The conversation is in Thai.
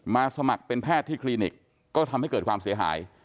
สมัครเป็นแพทย์ที่คลินิกก็ทำให้เกิดความเสียหาย